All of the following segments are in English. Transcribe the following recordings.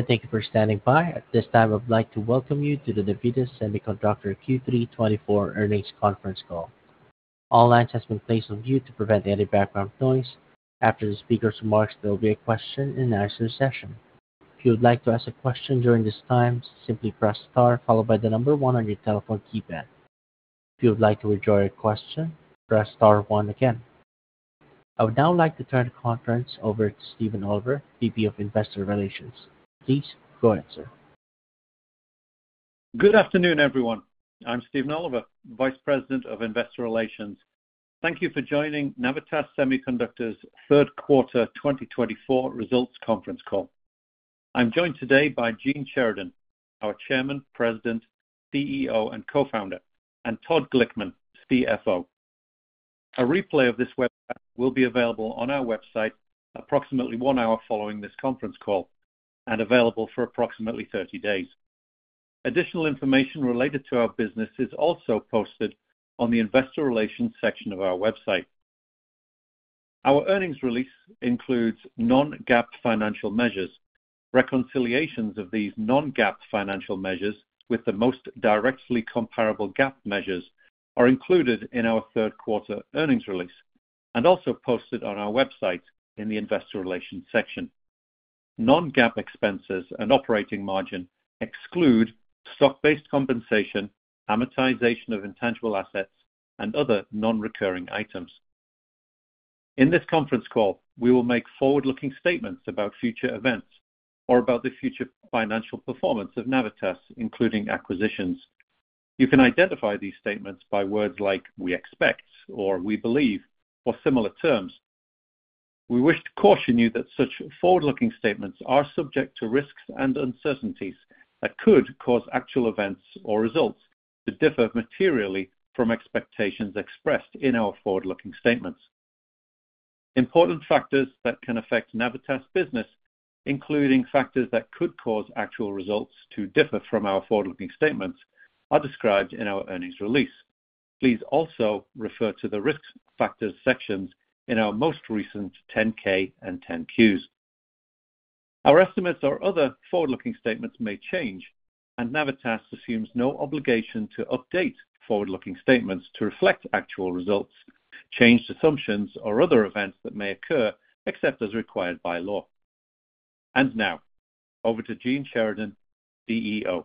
Thank you for standing by. At this time, I'd like to welcome you to the Navitas Semiconductor Q3 2024 earnings conference call. All lines have been placed on mute to prevent any background noise. After the speaker's remarks, there will be a question-and-answer session. If you would like to ask a question during this time, simply press star followed by the number one on your telephone keypad. If you would like to withdraw your question, press star one again. I would now like to turn the conference over to Stephen Oliver, VP of Investor Relations. Please go ahead, sir. Good afternoon, everyone. I'm Stephen Oliver, Vice President of Investor Relations. Thank you for joining Navitas Semiconductor's third quarter 2024 results conference call. I'm joined today by Gene Sheridan, our Chairman, President, CEO, and Co-founder, and Todd Glickman, CFO. A replay of this webinar will be available on our website approximately one hour following this conference call and available for approximately 30 days. Additional information related to our business is also posted on the Investor Relations section of our website. Our earnings release includes non-GAAP financial measures. Reconciliations of these non-GAAP financial measures with the most directly comparable GAAP measures are included in our third quarter earnings release and also posted on our website in the Investor Relations section. Non-GAAP expenses and operating margin exclude stock-based compensation, amortization of intangible assets, and other non-recurring items. In this conference call, we will make forward-looking statements about future events or about the future financial performance of Navitas, including acquisitions. You can identify these statements by words like "we expect" or "we believe" or similar terms. We wish to caution you that such forward-looking statements are subject to risks and uncertainties that could cause actual events or results to differ materially from expectations expressed in our forward-looking statements. Important factors that can affect Navitas' business, including factors that could cause actual results to differ from our forward-looking statements, are described in our earnings release. Please also refer to the risk factors sections in our most recent 10-K and 10-Qs. Our estimates or other forward-looking statements may change, and Navitas assumes no obligation to update forward-looking statements to reflect actual results, changed assumptions, or other events that may occur except as required by law. Now, over to Gene Sheridan, CEO.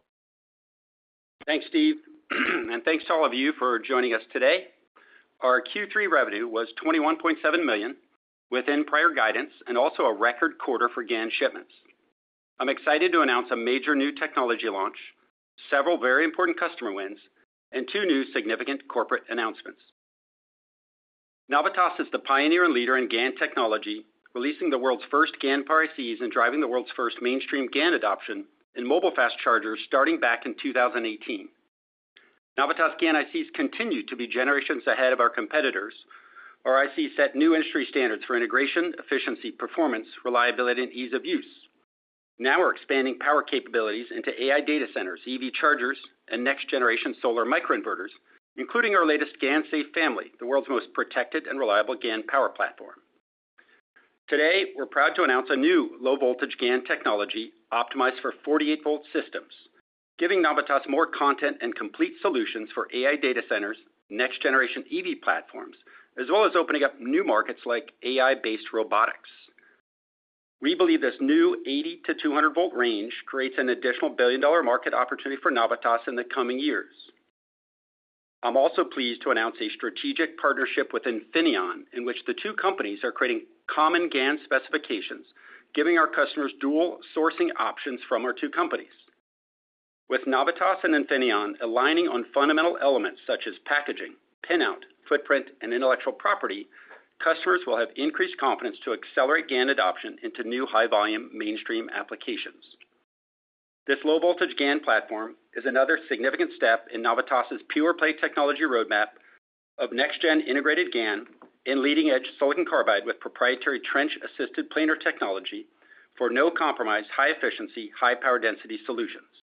Thanks, Steve, and thanks to all of you for joining us today. Our Q3 revenue was $21.7 million within prior guidance and also a record quarter for GaN shipments. I'm excited to announce a major new technology launch, several very important customer wins, and two new significant corporate announcements. Navitas is the pioneer and leader in GaN technology, releasing the world's first GaN power ICs and driving the world's first mainstream GaN adoption in mobile fast chargers starting back in 2018. Navitas GaN ICs continue to be generations ahead of our competitors. Our ICs set new industry standards for integration, efficiency, performance, reliability, and ease of use. Now we're expanding power capabilities into AI data centers, EV chargers, and next-generation solar microinverters, including our latest GaNSafe family, the world's most protected and reliable GaN power platform. Today, we're proud to announce a new low-voltage GaN technology optimized for 48-volt systems, giving Navitas more content and complete solutions for AI data centers, next-generation EV platforms, as well as opening up new markets like AI-based robotics. We believe this new 80- to 200-volt range creates an additional billion-dollar market opportunity for Navitas in the coming years. I'm also pleased to announce a strategic partnership with Infineon, in which the two companies are creating common GaN specifications, giving our customers dual sourcing options from our two companies. With Navitas and Infineon aligning on fundamental elements such as packaging, pinout, footprint, and intellectual property, customers will have increased confidence to accelerate GaN adoption into new high-volume mainstream applications. This low-voltage GaN platform is another significant step in Navitas' pure-play technology roadmap of next-gen integrated GaN and leading-edge silicon carbide with proprietary trench-assisted planar technology for no compromise, high efficiency, high power density solutions.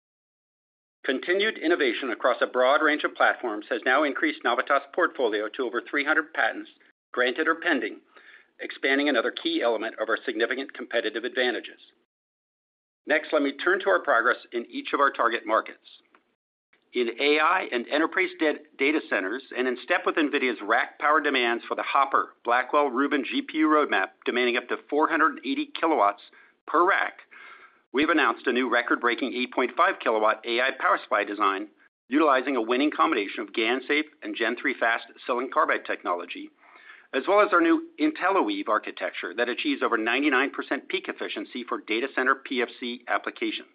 Continued innovation across a broad range of platforms has now increased Navitas' portfolio to over 300 patents granted or pending, expanding another key element of our significant competitive advantages. Next, let me turn to our progress in each of our target markets. In AI and enterprise data centers and in step with NVIDIA's rack power demands for the Hopper-Blackwell-Rubin GPU roadmap, demanding up to 480 kW per rack, we've announced a new record-breaking 8.5 kW AI power supply design utilizing a winning combination of GaNSafe and GeneSiC Gen3 Fast silicon carbide technology, as well as our new IntelliWeave architecture that achieves over 99% peak efficiency for data center PFC applications.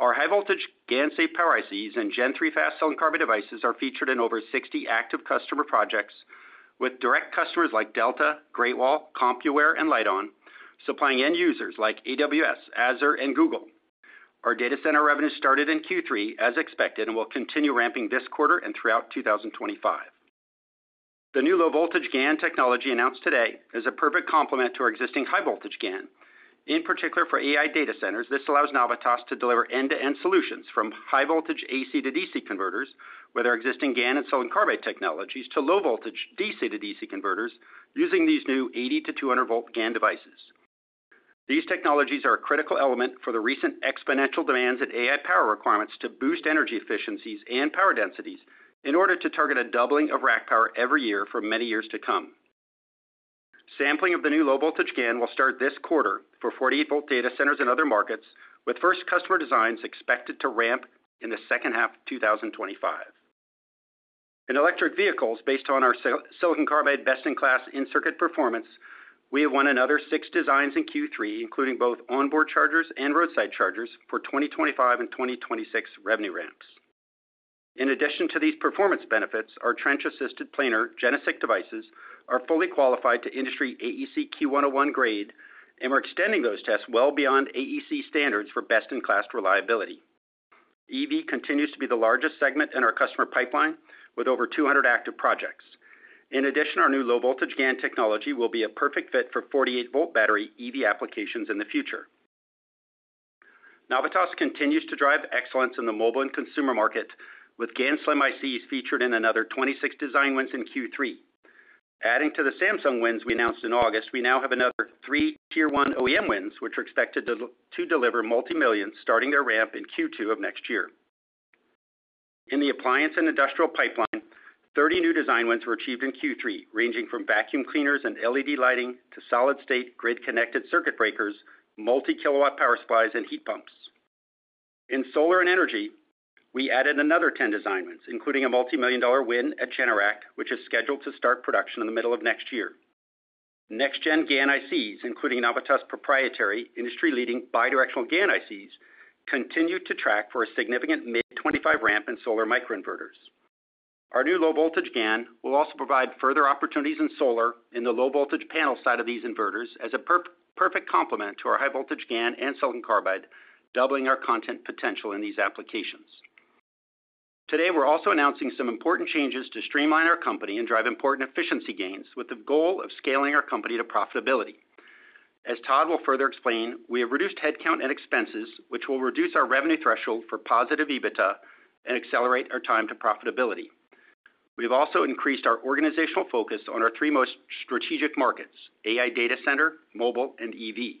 Our high-voltage GaNSafe power ICs and GeneSiC Gen3 Fast silicon carbide devices are featured in over 60 active customer projects with direct customers like Delta, Great Wall, Compuware, and Lite-On, supplying end users like AWS, Azure, and Google. Our data center revenue started in Q3, as expected, and will continue ramping this quarter and throughout 2025. The new low-voltage GaN technology announced today is a perfect complement to our existing high-voltage GaN. In particular, for AI data centers, this allows Navitas to deliver end-to-end solutions from high-voltage AC to DC converters with our existing GaN and silicon carbide technologies to low-voltage DC to DC converters using these new 80-200-volt GaN devices. These technologies are a critical element for the recent exponential demands and AI power requirements to boost energy efficiencies and power densities in order to target a doubling of rack power every year for many years to come. Sampling of the new low-voltage GaN will start this quarter for 48-volt data centers and other markets, with first customer designs expected to ramp in the second half of 2025. In electric vehicles, based on our silicon carbide best-in-class in-circuit performance, we have won another six designs in Q3, including both onboard chargers and roadside chargers for 2025 and 2026 revenue ramps. In addition to these performance benefits, our trench-assisted planar GeneSiC devices are fully qualified to industry AEC-Q101 grade, and we're extending those tests well beyond AEC standards for best-in-class reliability. EV continues to be the largest segment in our customer pipeline with over 200 active projects. In addition, our new low-voltage GaN technology will be a perfect fit for 48-volt battery EV applications in the future. Navitas continues to drive excellence in the mobile and consumer market, with GaNSlim ICs featured in another 26 design wins in Q3. Adding to the Samsung wins we announced in August, we now have another three Tier 1 OEM wins, which are expected to deliver multi-millions starting their ramp in Q2 of next year. In the appliance and industrial pipeline, 30 new design wins were achieved in Q3, ranging from vacuum cleaners and LED lighting to solid-state grid-connected circuit breakers, multi-kW power supplies, and heat pumps. In solar and energy, we added another 10 design wins, including a multi-million dollar win at Generac, which is scheduled to start production in the middle of next year. Next-gen GaN ICs, including Navitas' proprietary industry-leading bidirectional GaN ICs, continue to track for a significant mid-2025 ramp in solar microinverters. Our new low-voltage GaN will also provide further opportunities in solar in the low-voltage panel side of these inverters as a perfect complement to our high-voltage GaN and silicon carbide, doubling our content potential in these applications. Today, we're also announcing some important changes to streamline our company and drive important efficiency gains with the goal of scaling our company to profitability. As Todd will further explain, we have reduced headcount and expenses, which will reduce our revenue threshold for positive EBITDA and accelerate our time to profitability. We have also increased our organizational focus on our three most strategic markets: AI data center, mobile, and EV.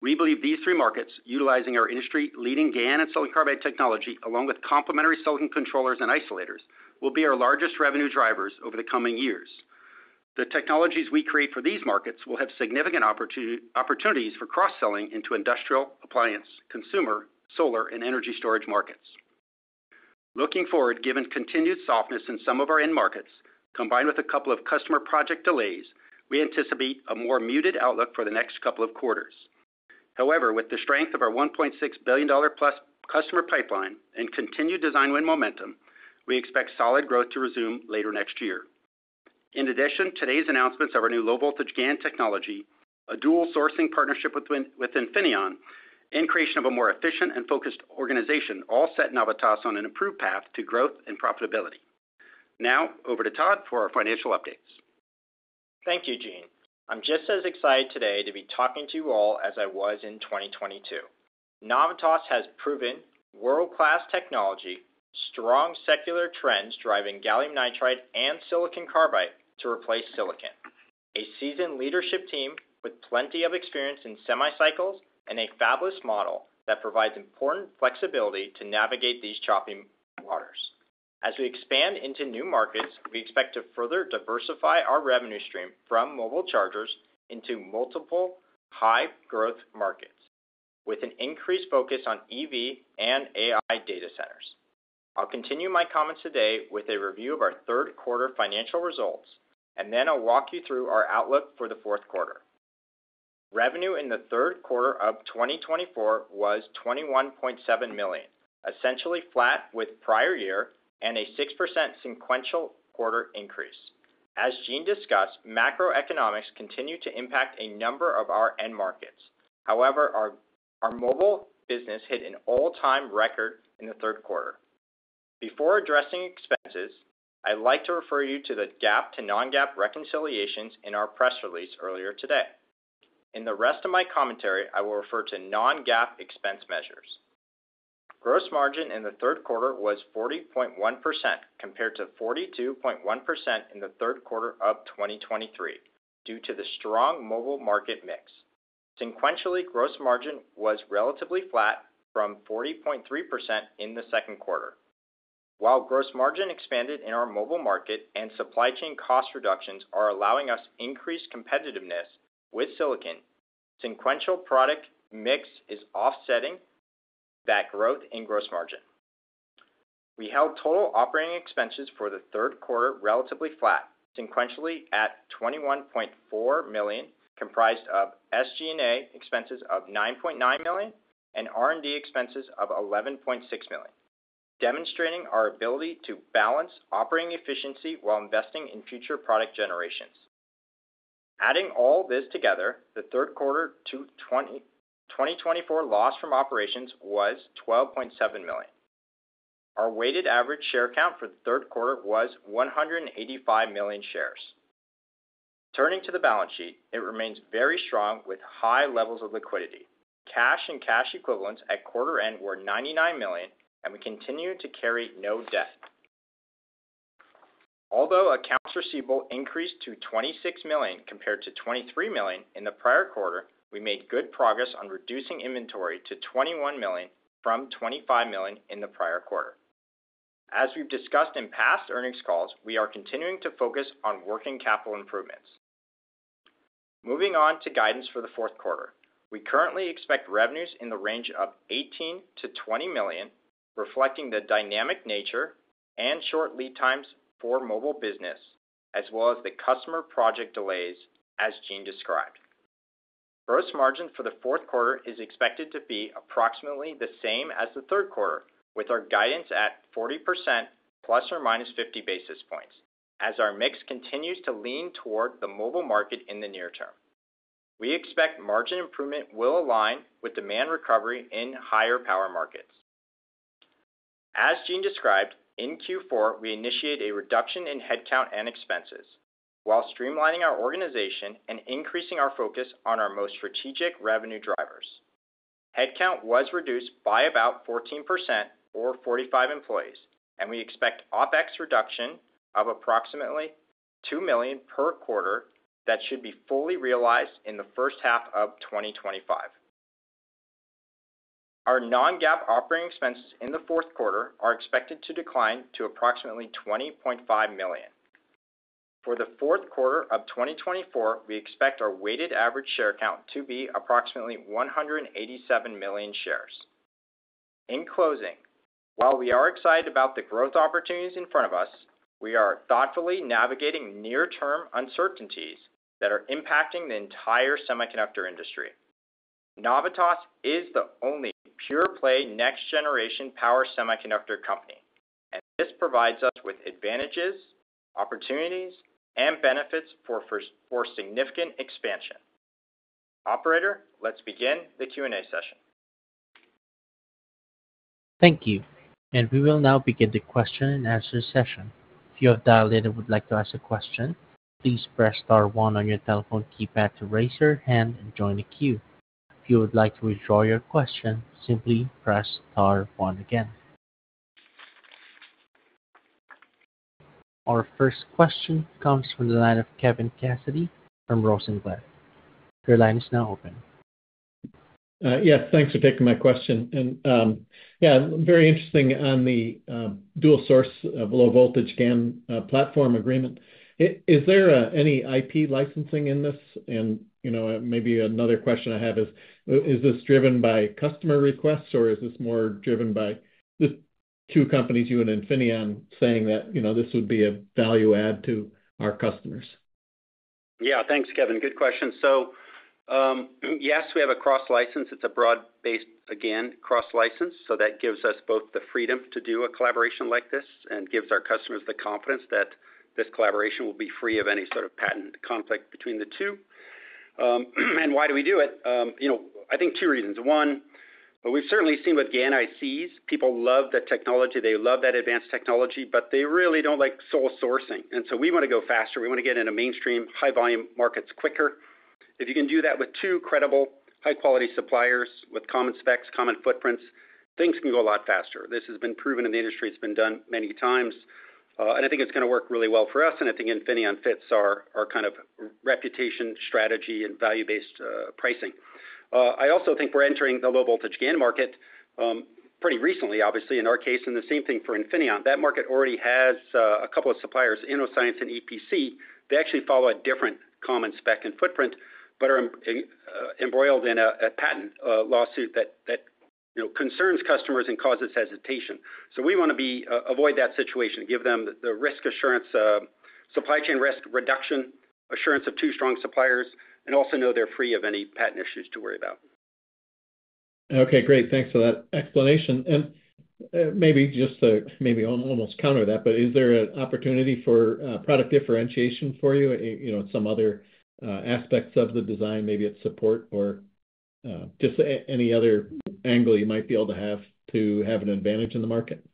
We believe these three markets, utilizing our industry-leading GaN and silicon carbide technology, along with complementary silicon controllers and isolators, will be our largest revenue drivers over the coming years. The technologies we create for these markets will have significant opportunities for cross-selling into industrial, appliance, consumer, solar, and energy storage markets. Looking forward, given continued softness in some of our end markets, combined with a couple of customer project delays, we anticipate a more muted outlook for the next couple of quarters. However, with the strength of our $1.6 billion-plus customer pipeline and continued design win momentum, we expect solid growth to resume later next year. In addition, today's announcements of our new low-voltage GaN technology, a dual sourcing partnership with Infineon, and creation of a more efficient and focused organization all set Navitas on an improved path to growth and profitability. Now, over to Todd for our financial updates. Thank you, Gene. I'm just as excited today to be talking to you all as I was in 2022. Navitas has proven world-class technology, strong secular trends driving gallium nitride and silicon carbide to replace silicon, a seasoned leadership team with plenty of experience in semi cycles and a fabless model that provides important flexibility to navigate these choppy waters. As we expand into new markets, we expect to further diversify our revenue stream from mobile chargers into multiple high-growth markets with an increased focus on EV and AI data centers. I'll continue my comments today with a review of our third quarter financial results, and then I'll walk you through our outlook for the fourth quarter. Revenue in the third quarter of 2024 was $21.7 million, essentially flat with prior year and a 6% sequential quarter increase. As Gene discussed, macroeconomics continue to impact a number of our end markets. However, our mobile business hit an all-time record in the third quarter. Before addressing expenses, I'd like to refer you to the GAAP to non-GAAP reconciliations in our press release earlier today. In the rest of my commentary, I will refer to non-GAAP expense measures. Gross margin in the third quarter was 40.1% compared to 42.1% in the third quarter of 2023 due to the strong mobile market mix. Sequentially, gross margin was relatively flat from 40.3% in the second quarter. While gross margin expanded in our mobile market and supply chain cost reductions are allowing us increased competitiveness with silicon, sequential product mix is offsetting that growth in gross margin. We held total operating expenses for the third quarter relatively flat, sequentially at $21.4 million, comprised of SG&A expenses of $9.9 million and R&D expenses of $11.6 million, demonstrating our ability to balance operating efficiency while investing in future product generations. Adding all this together, the third quarter 2024 loss from operations was $12.7 million. Our weighted average share count for the third quarter was 185 million shares. Turning to the balance sheet, it remains very strong with high levels of liquidity. Cash and cash equivalents at quarter end were $99 million, and we continue to carry no debt. Although accounts receivable increased to $26 million compared to $23 million in the prior quarter, we made good progress on reducing inventory to $21 million from $25 million in the prior quarter. As we've discussed in past earnings calls, we are continuing to focus on working capital improvements. Moving on to guidance for the fourth quarter, we currently expect revenues in the range of $18-$20 million, reflecting the dynamic nature and short lead times for mobile business, as well as the customer project delays, as Gene described. Gross margin for the fourth quarter is expected to be approximately the same as the third quarter, with our guidance at 40% plus or minus 50 basis points, as our mix continues to lean toward the mobile market in the near term. We expect margin improvement will align with demand recovery in higher power markets. As Gene described, in Q4, we initiated a reduction in headcount and expenses while streamlining our organization and increasing our focus on our most strategic revenue drivers. Headcount was reduced by about 14% or 45 employees, and we expect OpEx reduction of approximately $2 million per quarter that should be fully realized in the first half of 2025. Our non-GAAP operating expenses in the fourth quarter are expected to decline to approximately $20.5 million. For the fourth quarter of 2024, we expect our weighted average share count to be approximately 187 million shares. In closing, while we are excited about the growth opportunities in front of us, we are thoughtfully navigating near-term uncertainties that are impacting the entire semiconductor industry. Navitas is the only pure-play next-generation power semiconductor company, and this provides us with advantages, opportunities, and benefits for significant expansion. Operator, let's begin the Q&A session. Thank you. And we will now begin the question and answer session. If you have dialed in and would like to ask a question, please press star one on your telephone keypad to raise your hand and join the queue. If you would like to withdraw your question, simply press star one again. Our first question comes from the line of Kevin Cassidy from Rosenblatt. Your line is now open. Yes, thanks for taking my question. And yeah, very interesting on the dual-sourcing low voltage GaN platform agreement. Is there any IP licensing in this? And maybe another question I have is, is this driven by customer requests, or is this more driven by the two companies, you and Infineon, saying that this would be a value add to our customers? Yeah, thanks, Kevin. Good question. So yes, we have a cross-license. It's a broad-based, again, cross-license. So that gives us both the freedom to do a collaboration like this and gives our customers the confidence that this collaboration will be free of any sort of patent conflict between the two. Why do we do it? I think two reasons. One, we've certainly seen with GaN ICs, people love the technology, they love that advanced technology, but they really don't like sole sourcing. And so we want to go faster. We want to get into mainstream high-volume markets quicker. If you can do that with two credible, high-quality suppliers with common specs, common footprints, things can go a lot faster. This has been proven in the industry. It's been done many times. And I think it's going to work really well for us. I think Infineon fits our kind of reputation, strategy, and value-based pricing. I also think we're entering the low voltage GaN market pretty recently, obviously, in our case, and the same thing for Infineon. That market already has a couple of suppliers, Innoscience and EPC. They actually follow a different common spec and footprint, but are embroiled in a patent lawsuit that concerns customers and causes hesitation. So we want to avoid that situation, give them the risk assurance, supply chain risk reduction assurance of two strong suppliers, and also know they're free of any patent issues to worry about. Okay, great. Thanks for that explanation. And maybe just to maybe almost counter that, but is there an opportunity for product differentiation for you in some other aspects of the design, maybe at support or just any other angle you might be able to have to have an advantage in the market?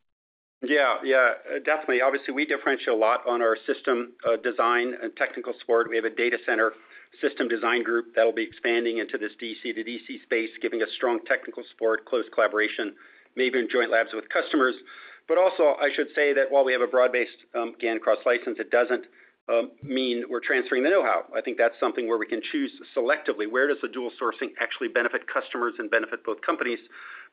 Yeah, yeah, definitely. Obviously, we differentiate a lot on our system design and technical support. We have a data center system design group that will be expanding into this DC to DC space, giving us strong technical support, close collaboration, maybe in joint labs with customers. But also, I should say that while we have a broad-based GaN cross-license, it doesn't mean we're transferring the know-how. I think that's something where we can choose selectively. Where does the dual sourcing actually benefit customers and benefit both companies?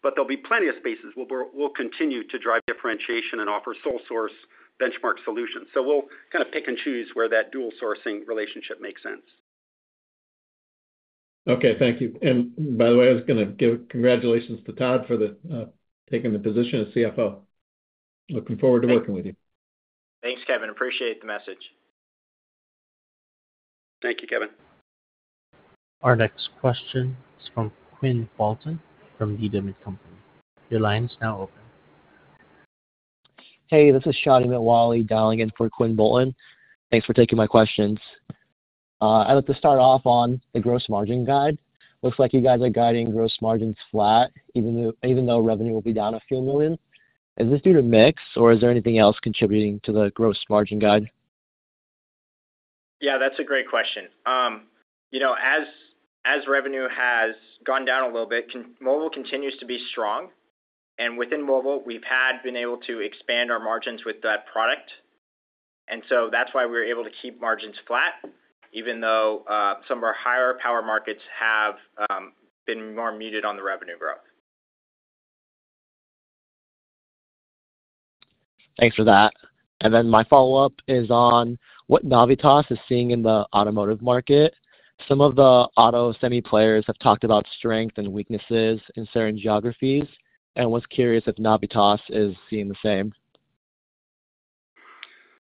But there'll be plenty of spaces where we'll continue to drive differentiation and offer sole source benchmark solutions. So we'll kind of pick and choose where that dual sourcing relationship makes sense. Okay, thank you. And by the way, I was going to give congratulations to Todd for taking the position of CFO. Looking forward to working with you. Thanks, Kevin. Appreciate the message. Thank you, Kevin. Our next question is from Quinn Bolton from Needham & Company. Your line is now open. Hey, this is Shadi Mitwalli dialing in for Quinn Bolton. Thanks for taking my questions. I'd like to start off on the gross margin guide. Looks like you guys are guiding gross margins flat, even though revenue will be down a few million. Is this due to mix, or is there anything else contributing to the gross margin guide? Yeah, that's a great question. As revenue has gone down a little bit, mobile continues to be strong. And within mobile, we've had been able to expand our margins with that product. And so that's why we were able to keep margins flat, even though some of our higher power markets have been more muted on the revenue growth. Thanks for that, and then my follow-up is on what Navitas is seeing in the automotive market. Some of the auto semi players have talked about strengths and weaknesses in certain geographies, and I was curious if Navitas is seeing the same.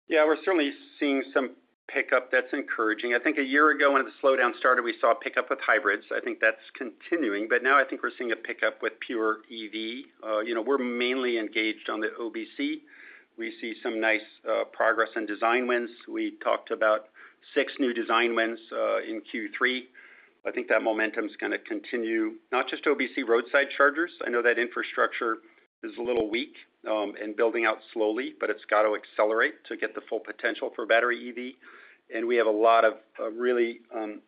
Yeah, we're certainly seeing some pickup. That's encouraging. I think a year ago, when the slowdown started, we saw a pickup with hybrids. I think that's continuing. But now I think we're seeing a pickup with pure EV. We're mainly engaged on the OBC. We see some nice progress in design wins. We talked about six new design wins in Q3. I think that momentum is going to continue, not just OBC roadside chargers. I know that infrastructure is a little weak and building out slowly, but it's got to accelerate to get the full potential for battery EV. We have a lot of really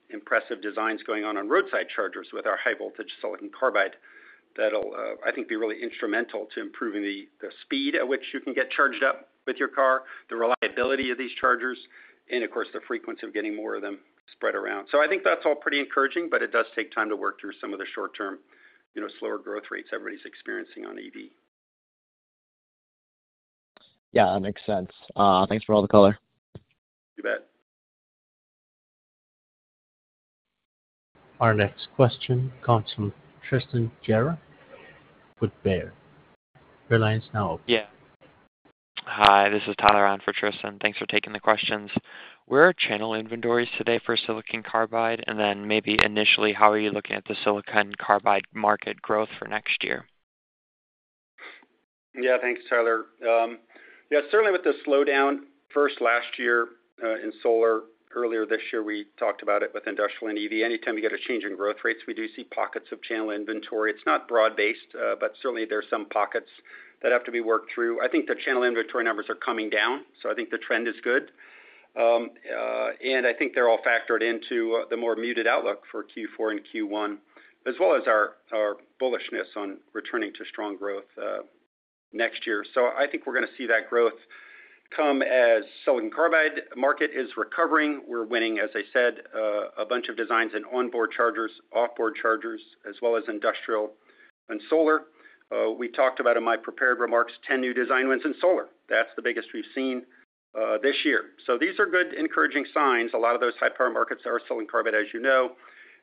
impressive designs going on roadside chargers with our high-voltage silicon carbide that'll, I think, be really instrumental to improving the speed at which you can get charged up with your car, the reliability of these chargers, and of course, the frequency of getting more of them spread around. So I think that's all pretty encouraging, but it does take time to work through some of the short-term slower growth rates everybody's experiencing on EV. Yeah, that makes sense. Thanks for all the color. You bet. Our next question comes from Tristan Gerra with Baird. Your line is now open. Yeah. Hi, this is Tyler on for Tristan. Thanks for taking the questions. Where are channel inventories today for silicon carbide? And then maybe initially, how are you looking at the silicon carbide market growth for next year? Yeah, thanks, Tyler. Yeah, certainly with the slowdown first last year in solar, earlier this year, we talked about it with industrial and EV. Anytime you get a change in growth rates, we do see pockets of channel inventory. It's not broad-based, but certainly there are some pockets that have to be worked through. I think the channel inventory numbers are coming down, so I think the trend is good. And I think they're all factored into the more muted outlook for Q4 and Q1, as well as our bullishness on returning to strong growth next year. So I think we're going to see that growth come as silicon carbide market is recovering. We're winning, as I said, a bunch of designs in onboard chargers, offboard chargers, as well as industrial and solar. We talked about in my prepared remarks, 10 new design wins in solar. That's the biggest we've seen this year, so these are good, encouraging signs. A lot of those high-power markets are solar and SiC, as you know,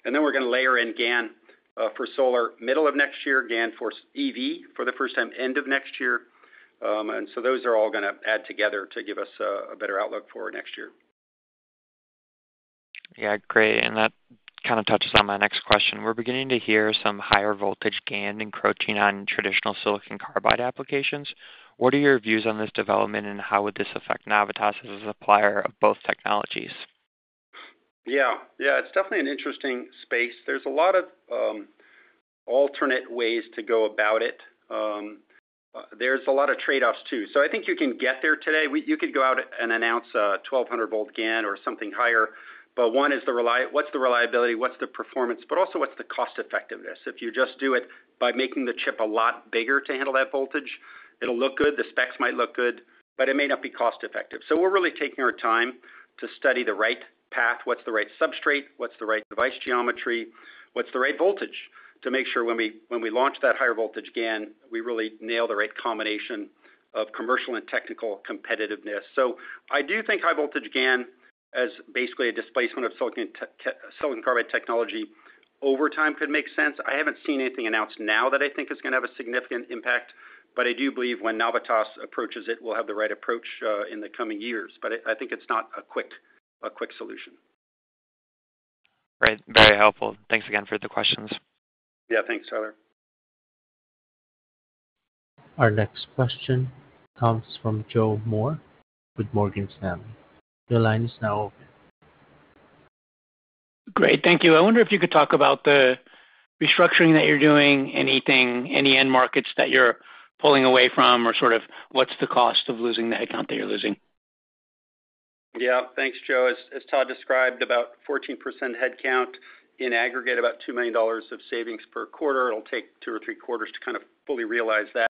and then we're going to layer in GaN for solar middle of next year, GaN for EV for the first time end of next year, and so those are all going to add together to give us a better outlook for next year. Yeah, great. And that kind of touches on my next question. We're beginning to hear some higher voltage GaN encroaching on traditional silicon carbide applications. What are your views on this development, and how would this affect Navitas as a supplier of both technologies? Yeah, yeah, it's definitely an interesting space. There's a lot of alternate ways to go about it. There's a lot of trade-offs too. So I think you can get there today. You could go out and announce a 1,200-volt GaN or something higher. But one is the reliability. What's the reliability? What's the performance? But also, what's the cost-effectiveness? If you just do it by making the chip a lot bigger to handle that voltage, it'll look good. The specs might look good, but it may not be cost-effective. So we're really taking our time to study the right path, what's the right substrate, what's the right device geometry, what's the right voltage to make sure when we launch that higher voltage GaN, we really nail the right combination of commercial and technical competitiveness. So I do think high-voltage GaN, as basically a displacement of silicon carbide technology, over time could make sense. I haven't seen anything announced now that I think is going to have a significant impact, but I do believe when Navitas approaches it, we'll have the right approach in the coming years. But I think it's not a quick solution. Right, very helpful. Thanks again for the questions. Yeah, thanks, Tyler. Our next question comes from Joe Moore with Morgan Stanley. Your line is now open. Great, thank you. I wonder if you could talk about the restructuring that you're doing, any end markets that you're pulling away from, or sort of what's the cost of losing the headcount that you're losing? Yeah, thanks, Joe. As Todd described, about 14% headcount in aggregate, about $2 million of savings per quarter. It'll take two or three quarters to kind of fully realize that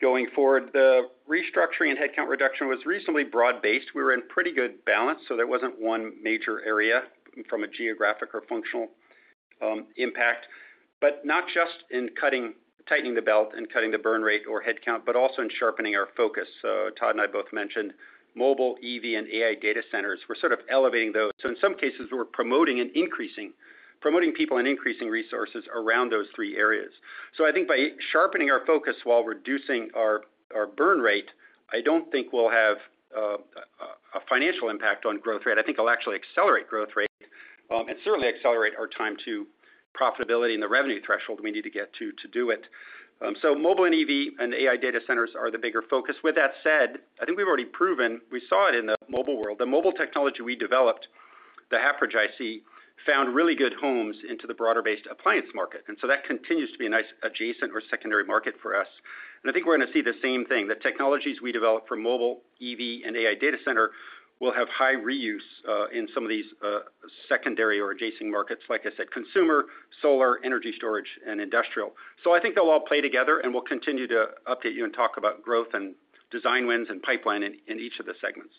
going forward. The restructuring and headcount reduction was reasonably broad-based. We were in pretty good balance, so there wasn't one major area from a geographic or functional impact. But not just in tightening the belt and cutting the burn rate or headcount, but also in sharpening our focus. So Todd and I both mentioned mobile, EV, and AI data centers. We're sort of elevating those. So in some cases, we're promoting and increasing people and increasing resources around those three areas. So I think by sharpening our focus while reducing our burn rate, I don't think we'll have a financial impact on growth rate. I think it'll actually accelerate growth rate and certainly accelerate our time to profitability and the revenue threshold we need to get to do it. So mobile and EV and AI data centers are the bigger focus. With that said, I think we've already proven, we saw it in the mobile world. The mobile technology we developed, the half-bridge IC, found really good homes into the broader-based appliance market. And so that continues to be a nice adjacent or secondary market for us. And I think we're going to see the same thing. The technologies we develop for mobile, EV, and AI data center will have high reuse in some of these secondary or adjacent markets, like I said, consumer, solar, energy storage, and industrial. So I think they'll all play together, and we'll continue to update you and talk about growth and design wins and pipeline in each of the segments.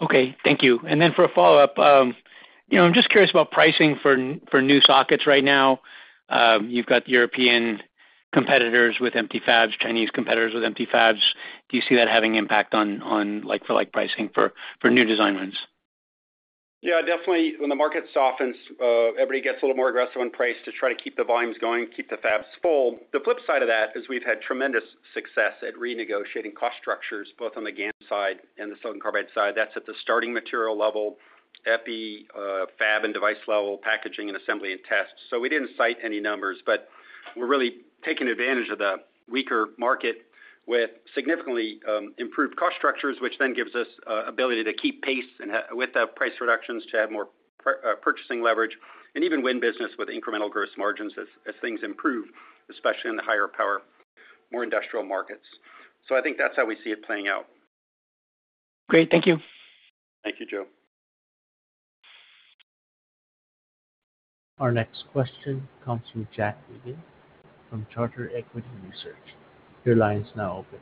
Okay, thank you. And then for a follow-up, I'm just curious about pricing for new sockets right now. You've got European competitors with empty fabs, Chinese competitors with empty fabs. Do you see that having impact on like-for-like pricing for new design wins? Yeah, definitely. When the market softens, everybody gets a little more aggressive on price to try to keep the volumes going, keep the fabs full. The flip side of that is we've had tremendous success at renegotiating cost structures, both on the GaN side and the silicon carbide side. That's at the starting material level, epi, fab, and device level, packaging and assembly and tests. So we didn't cite any numbers, but we're really taking advantage of the weaker market with significantly improved cost structures, which then gives us the ability to keep pace with the price reductions, to have more purchasing leverage, and even win business with incremental gross margins as things improve, especially in the higher power, more industrial markets. So I think that's how we see it playing out. Great, thank you. Thank you, Joe. Our next question comes from Jack Higgins from Charter Equity Research. Your line is now open.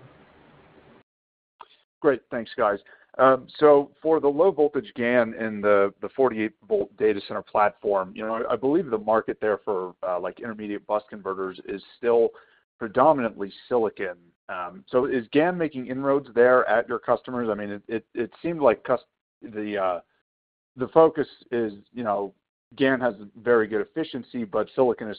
Great, thanks, guys. So for the low voltage GaN in the 48-volt data center platform, I believe the market there for intermediate bus converters is still predominantly silicon. So is GaN making inroads there at your customers? I mean, it seemed like the focus is GaN has very good efficiency, but silicon is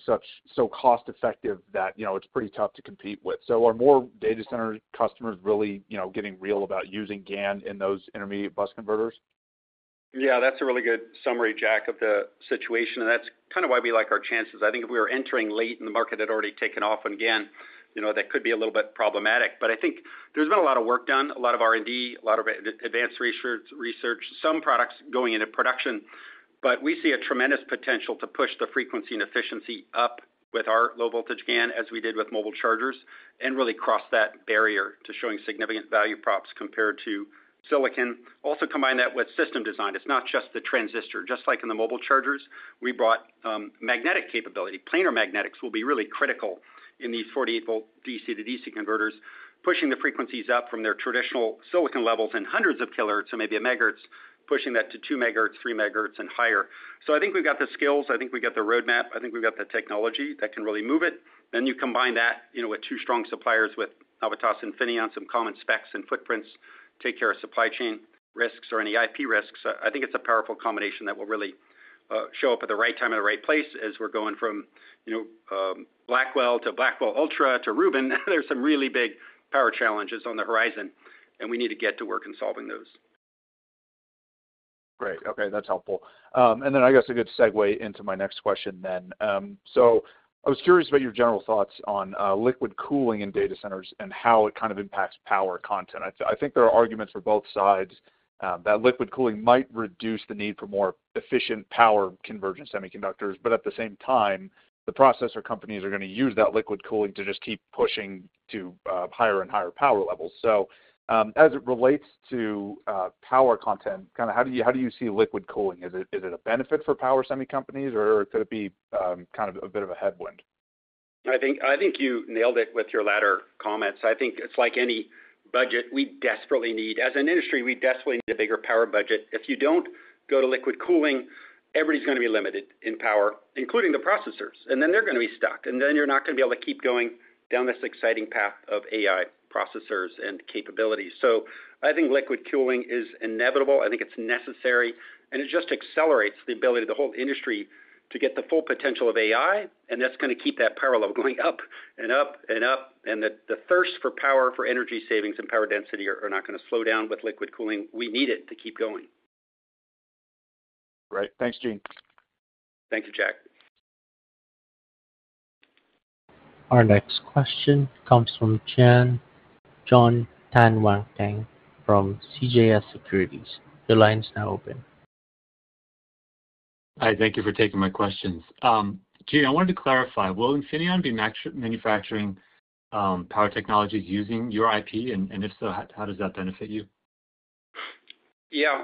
so cost-effective that it's pretty tough to compete with. So are more data center customers really getting real about using GaN in those intermediate bus converters? Yeah, that's a really good summary, Jack, of the situation, and that's kind of why we like our chances. I think if we were entering late and the market had already taken off on GaN, that could be a little bit problematic, but I think there's been a lot of work done, a lot of R&D, a lot of advanced research, some products going into production, but we see a tremendous potential to push the frequency and efficiency up with our low voltage GaN, as we did with mobile chargers, and really cross that barrier to showing significant value props compared to silicon. Also combine that with system design. It's not just the transistor. Just like in the mobile chargers, we brought magnetic capability. Planar magnetics will be really critical in these 48-volt DC-to-DC converters, pushing the frequencies up from their traditional silicon levels and hundreds of kilohertz to maybe a megahertz, pushing that to 2 megahertz, 3 megahertz, and higher. So I think we've got the skills. I think we've got the roadmap. I think we've got the technology that can really move it. Then you combine that with two strong suppliers with Navitas and Infineon on some common specs and footprints, take care of supply chain risks or any IP risks. I think it's a powerful combination that will really show up at the right time at the right place as we're going from Blackwell to Blackwell Ultra to Rubin. There's some really big power challenges on the horizon, and we need to get to work in solving those. Great. Okay, that's helpful. And then I guess a good segue into my next question then. So I was curious about your general thoughts on liquid cooling in data centers and how it kind of impacts power content. I think there are arguments for both sides that liquid cooling might reduce the need for more efficient power conversion semiconductors, but at the same time, the processor companies are going to use that liquid cooling to just keep pushing to higher and higher power levels. So as it relates to power content, kind of how do you see liquid cooling? Is it a benefit for power semicompanies or could it be kind of a bit of a headwind? I think you nailed it with your latter comments. I think it's like any budget we desperately need. As an industry, we desperately need a bigger power budget. If you don't go to liquid cooling, everybody's going to be limited in power, including the processors. And then they're going to be stuck. And then you're not going to be able to keep going down this exciting path of AI processors and capabilities. So I think liquid cooling is inevitable. I think it's necessary. And it just accelerates the ability of the whole industry to get the full potential of AI. And that's going to keep that power level going up and up and up. And the thirst for power, for energy savings and power density are not going to slow down with liquid cooling. We need it to keep going. Great. Thanks, Gene. Thank you, Jack. Our next question comes from Jon Tanwanteng from CJS Securities. Your line is now open. Hi, thank you for taking my questions. Gene, I wanted to clarify. Will Infineon be manufacturing power technologies using your IP? And if so, how does that benefit you? Yeah.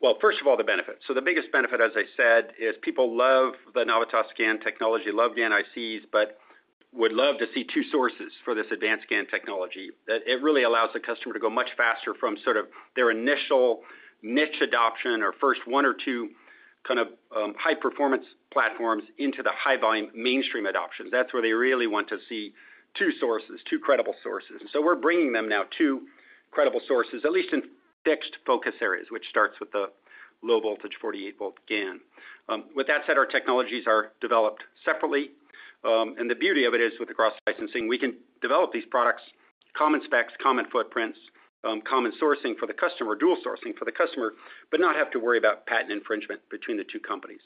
Well, first of all, the benefit. So the biggest benefit, as I said, is people love the Navitas GaN technology, love the GaN ICs, but would love to see two sources for this advanced GaN technology. It really allows the customer to go much faster from sort of their initial niche adoption or first one or two kind of high-performance platforms into the high-volume mainstream adoptions. That's where they really want to see two sources, two credible sources. And so we're bringing them now to credible sources, at least in fixed focus areas, which starts with the low-voltage 48-volt GaN. With that said, our technologies are developed separately. And the beauty of it is with the cross-licensing, we can develop these products, common specs, common footprints, common sourcing for the customer, dual sourcing for the customer, but not have to worry about patent infringement between the two companies.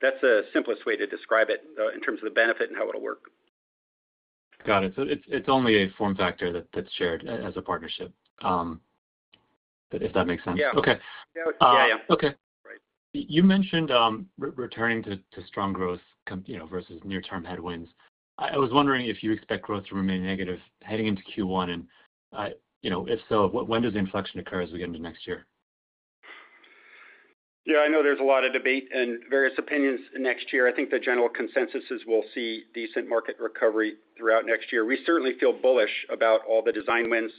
That's the simplest way to describe it in terms of the benefit and how it'll work. Got it, so it's only a form factor that's shared as a partnership, if that makes sense. Yeah. Okay. Yeah, yeah. Okay. You mentioned returning to strong growth versus near-term headwinds. I was wondering if you expect growth to remain negative heading into Q1, and if so, when does the inflection occur as we get into next year? Yeah, I know there's a lot of debate and various opinions next year. I think the general consensus is we'll see decent market recovery throughout next year. We certainly feel bullish about all the design wins,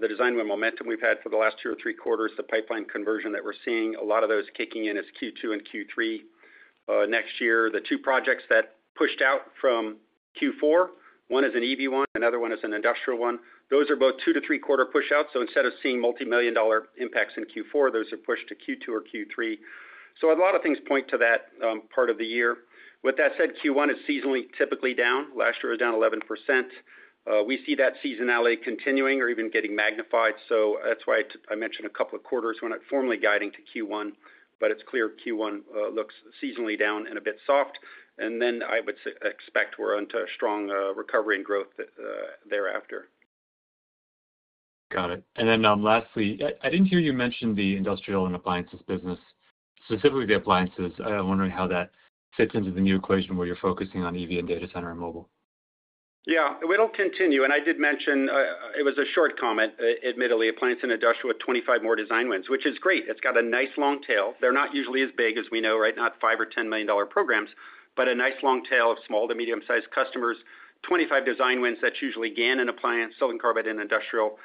the design win momentum we've had for the last two or three quarters, the pipeline conversion that we're seeing, a lot of those kicking in as Q2 and Q3 next year. The two projects that pushed out from Q4, one is an EV one, another one is an industrial one. Those are both two to three-quarter push-outs. So instead of seeing multi-million dollar impacts in Q4, those are pushed to Q2 or Q3. So a lot of things point to that part of the year. With that said, Q1 is seasonally typically down. Last year was down 11%. We see that seasonality continuing or even getting magnified. That's why I mentioned a couple of quarters when it's formally guiding to Q1, but it's clear Q1 looks seasonally down and a bit soft. Then I would expect we're on to a strong recovery and growth thereafter. Got it. And then lastly, I didn't hear you mention the industrial and appliances business, specifically the appliances. I'm wondering how that fits into the new equation where you're focusing on EV and data center and mobile? Yeah, it will continue. And I did mention it was a short comment, admittedly, appliance and industrial with 25 more design wins, which is great. It's got a nice long tail. They're not usually as big as we know, right? Not $5 million or $10 million programs, but a nice long tail of small to medium-sized customers, 25 design wins. That's usually GaN and appliance, silicon carbide and industrial.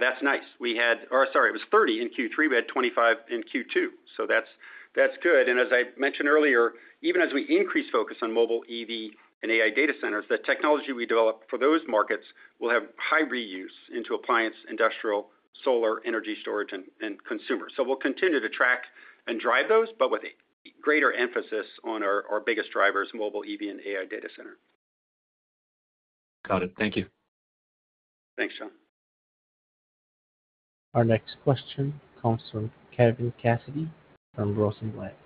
That's nice. We had, or sorry, it was 30 in Q3. We had 25 in Q2. So that's good. And as I mentioned earlier, even as we increase focus on mobile, EV, and AI data centers, the technology we develop for those markets will have high reuse into appliance, industrial, solar, energy storage, and consumer. So we'll continue to track and drive those, but with greater emphasis on our biggest drivers, mobile, EV, and AI data center. Got it. Thank you. Thanks, John. Our next question comes from Kevin Cassidy from Rosenblatt.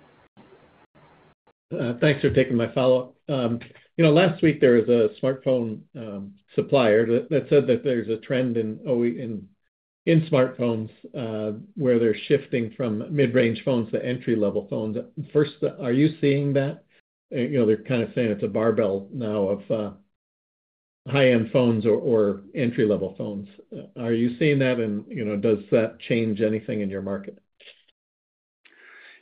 Thanks for taking my follow-up. Last week, there was a smartphone supplier that said that there's a trend in smartphones where they're shifting from mid-range phones to entry-level phones. First, are you seeing that? They're kind of saying it's a barbell now of high-end phones or entry-level phones. Are you seeing that? And does that change anything in your market?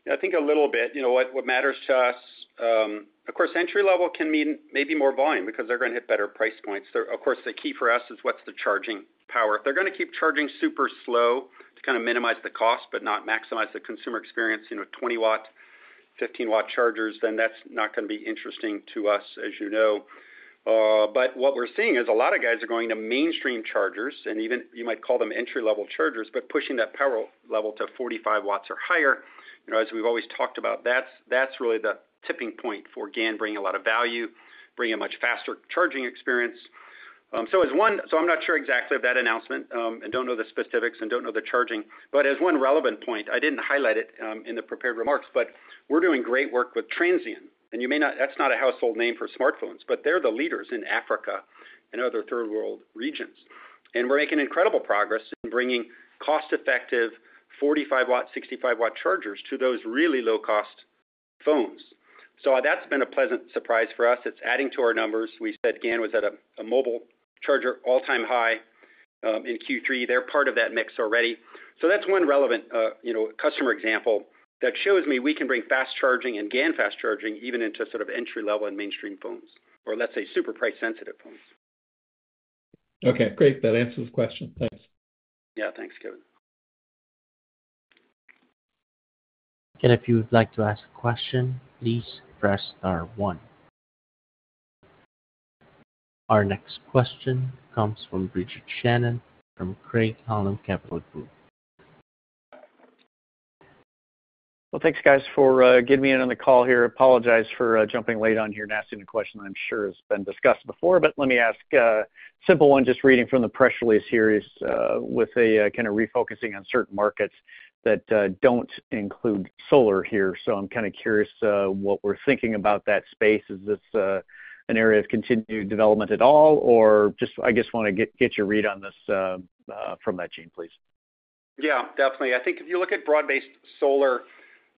Yeah, I think a little bit. What matters to us, of course, entry-level can mean maybe more volume because they're going to hit better price points. Of course, the key for us is what's the charging power. If they're going to keep charging super slow to kind of minimize the cost, but not maximize the consumer experience, 20 W, 15 W chargers, then that's not going to be interesting to us, as you know. But what we're seeing is a lot of guys are going to mainstream chargers, and even you might call them entry-level chargers, but pushing that power level to 45 W or higher, as we've always talked about, that's really the tipping point for GaN, bringing a lot of value, bringing a much faster charging experience. So I'm not sure exactly of that announcement and don't know the specifics and don't know the charging. But as one relevant point, I didn't highlight it in the prepared remarks, but we're doing great work with Transsion. And that's not a household name for smartphones, but they're the leaders in Africa and other third-world regions. And we're making incredible progress in bringing cost-effective 45 W, 65 W chargers to those really low-cost phones. So that's been a pleasant surprise for us. It's adding to our numbers. We said GaN was at a mobile charger all-time high in Q3. They're part of that mix already. So that's one relevant customer example that shows me we can bring fast charging and GaNFast charging even into sort of entry-level and mainstream phones, or let's say super price-sensitive phones. Okay, great. That answers the question. Thanks. Yeah, thanks, Kevin. If you'd like to ask a question, please press star one. Our next question comes from Richard Shannon from Craig-Hallum Capital Group. Thanks, guys, for getting me in on the call here. I apologize for jumping in late on here and asking a question I'm sure has been discussed before, but let me ask a simple one. Just reading from the press release here, it's with a kind of refocusing on certain markets that don't include solar here. So I'm kind of curious what we're thinking about that space. Is this an area of continued development at all? Or, I just want to get your read on this from Gene, please. Yeah, definitely. I think if you look at broad-based solar,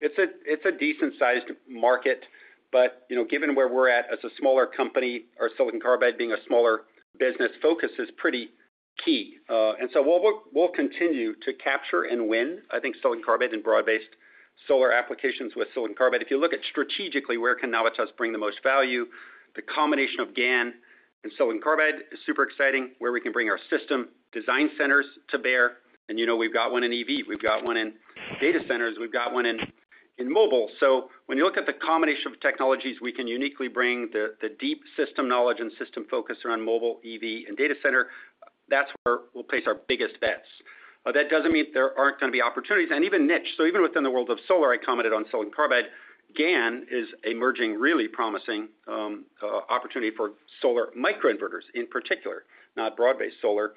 it's a decent-sized market, but given where we're at as a smaller company, our silicon carbide being a smaller business focus is pretty key. And so we'll continue to capture and win, I think, silicon carbide and broad-based solar applications with silicon carbide. If you look at strategically, where can Navitas bring the most value, the combination of GaN and silicon carbide is super exciting, where we can bring our system design centers to bear. And we've got one in EV. We've got one in data centers. We've got one in mobile. So when you look at the combination of technologies, we can uniquely bring the deep system knowledge and system focus around mobile, EV, and data center. That's where we'll place our biggest bets. But that doesn't mean there aren't going to be opportunities and even niche. So even within the world of solar, I commented on silicon carbide. GaN is an emerging really promising opportunity for solar microinverters in particular, not broad-based solar.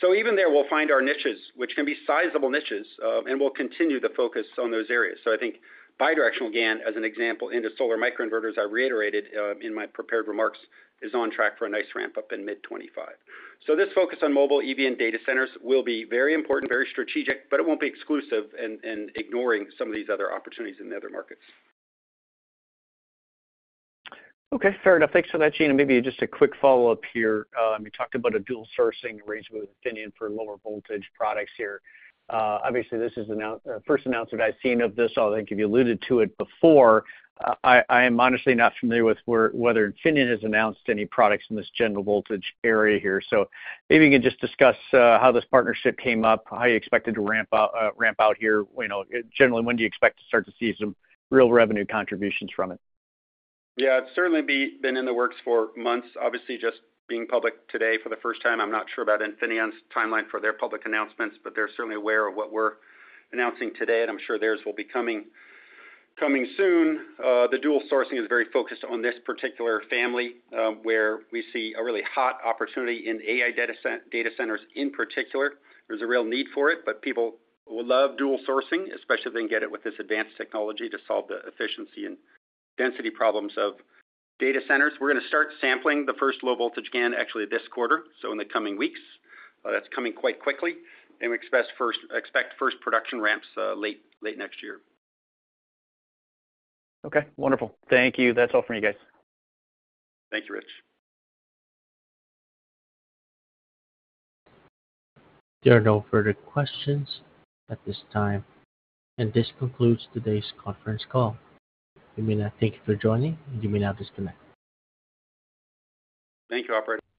So even there, we'll find our niches, which can be sizable niches, and we'll continue to focus on those areas. So I think bidirectional GaN, as an example, into solar microinverters, I reiterated in my prepared remarks, is on track for a nice ramp up in mid-2025. So this focus on mobile, EV, and data centers will be very important, very strategic, but it won't be exclusive and ignoring some of these other opportunities in the other markets. Okay, fair enough. Thanks for that, Gene. And maybe just a quick follow-up here. We talked about a dual sourcing arrangement with Infineon for lower voltage products here. Obviously, this is the first announcement I've seen of this. I think you've alluded to it before. I am honestly not familiar with whether Infineon has announced any products in this general voltage area here. So maybe you can just discuss how this partnership came up, how you expected to ramp out here. Generally, when do you expect to start to see some real revenue contributions from it? Yeah, it's certainly been in the works for months. Obviously, just being public today for the first time, I'm not sure about Infineon's timeline for their public announcements, but they're certainly aware of what we're announcing today. And I'm sure theirs will be coming soon. The dual sourcing is very focused on this particular family where we see a really hot opportunity in AI data centers in particular. There's a real need for it, but people will love dual sourcing, especially if they can get it with this advanced technology to solve the efficiency and density problems of data centers. We're going to start sampling the first low-voltage GaN actually this quarter, so in the coming weeks. That's coming quite quickly. And we expect first production ramps late next year. Okay, wonderful. Thank you. That's all from you guys. Thank you, Rich. There are no further questions at this time, and this concludes today's conference call. You may now. Thank you for joining. You may now disconnect. Thank you, Operator.